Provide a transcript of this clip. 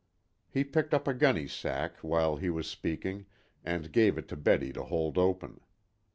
He picked up a gunny sack while he was speaking and gave it to Betty to hold open.